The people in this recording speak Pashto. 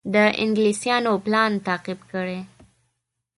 د انګلیسیانو پلان تعقیب کړي.